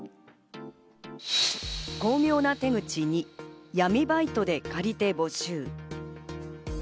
巧妙な手口２、闇バイトで借り手募集。